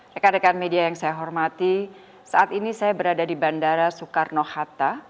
rekan rekan media yang saya hormati saat ini saya berada di bandara soekarno hatta